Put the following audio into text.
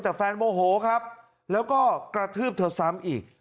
แต่แฟนโมโหครับแล้วก็กระทืบเธอซ้ำอีก